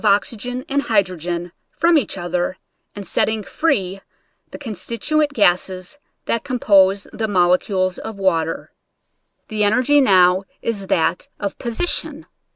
oxygen and hydrogen from each other and setting free the constituent gases that com pose the molecules of water. The energy now is that of position.